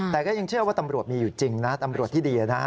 แต่ก็ยังเชื่อว่าตำรวจมีอยู่จริงนะตำรวจที่ดีนะ